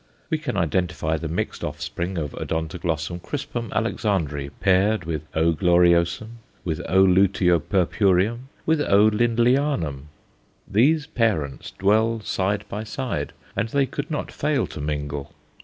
We can identify the mixed offspring of O. crispum Alexandræ paired with O. gloriosum, with O. luteopurpureum, with O. Lindleyanum; these parents dwell side by side, and they could not fail to mingle.